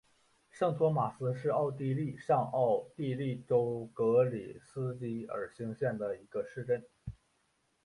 圣托马斯是奥地利上奥地利州格里斯基尔兴县的一个市镇。